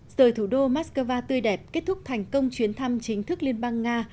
rời thủ đô moscow tươi đẹp kết thúc thành công chuyến thăm chính thức liên bang nga